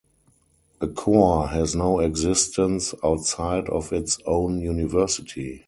A corps has no existence outside of its own university.